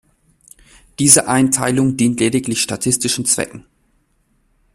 Diese Einteilung dient lediglich statistischen Zwecken.